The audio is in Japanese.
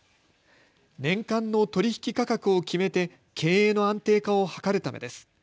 年間の取引価格を決めて経営の安定化を図るためです。